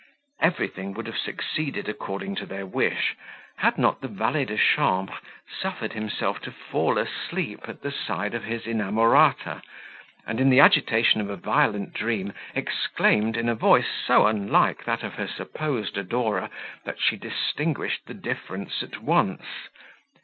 Everything would have succeeded according to their wish, had not the valet de chambre suffered himself to fall asleep at the side of his inamorata, and, in the agitation of a violent dream, exclaimed in a voice so unlike that of her supposed adorer, that she distinguished the difference at once.